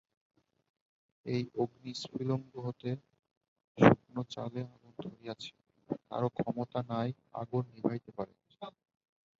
এই অগ্নিস্ফুলিঙ্গ হইতে শুকনো চালে আগুন ধরিয়াছে, কারো ক্ষমতা নাই আগুন নিভাইতে পারে।